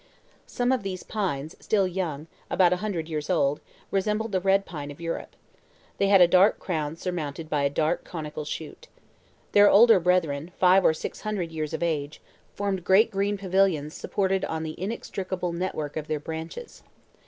Some of these pines, still young, about a hundred years old, resembled the red pine of Europe. They had a dark crown surmounted by a dark conical shoot. Their older brethren, five or six hundred years of age, formed great green pavilions supported on the inextricable network of their branches.